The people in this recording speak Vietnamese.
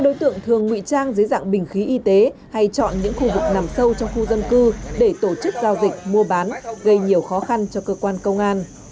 đối tượng thường ngụy trang dưới dạng bình khí y tế hay chọn những khu vực nằm sâu trong khu dân cư để tổ chức giao dịch mua bán gây nhiều khó khăn cho cơ quan công an